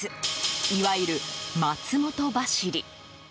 いわゆる松本走り。